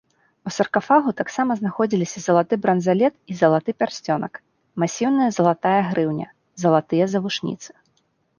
У саркафагу таксама знаходзіліся залаты бранзалет і залаты пярсцёнак, масіўная залатая грыўня, залатыя завушніцы.